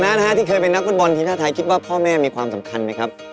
นะฮะที่เคยเป็นนักฟุตบอลทีมชาติไทยคิดว่าพ่อแม่มีความสำคัญไหมครับ